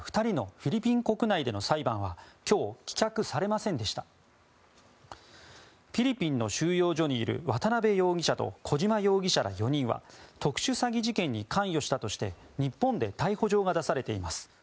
フィリピンの収容所にいる渡邉容疑者と小島容疑者ら４人は特殊詐欺事件に関与したとして日本で逮捕状が出されています。